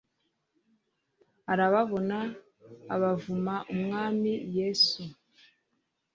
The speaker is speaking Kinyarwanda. arababona abavuma umwami yesu